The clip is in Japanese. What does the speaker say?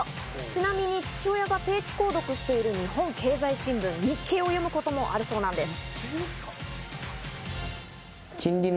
ちなみに、父親が定期購読している日本経済新聞・日経を読むこともあるそうなんです。